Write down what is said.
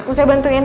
mau saya bantuin